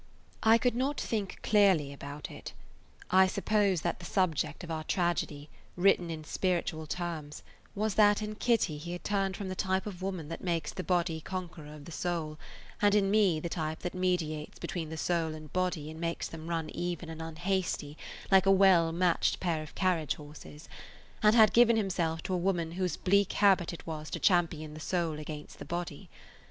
I could not think clearly about it. I suppose that the subject of our tragedy, written in spiritual terms, was that in Kitty he had turned from the type of woman that makes the body conqueror of the soul and in me the type that mediates between the soul and the body and makes them run even and unhasty like a well matched pair of carriage horses, and had given himself to a woman whose bleak habit it was to champion the soul against the body.